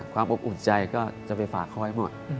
ความอบอุ่นใจก็จะไปฝากเขาไว้หมด